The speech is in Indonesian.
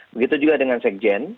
begitu juga dengan sekjen